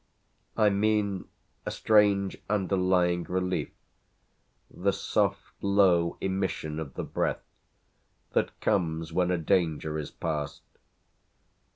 I mean a strange underlying relief, the soft, low emission of the breath that comes when a danger is past.